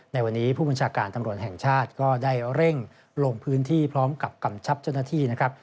ในวันนี้ผู้บัญชาการตำรวจแห่งชาติก็ได้เร่งลงพื้นที่พร้อมกับกำชับเจ้าหน้าที่นะครับ